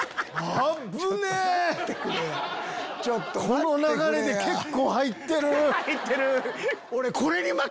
この流れで結構入ってる。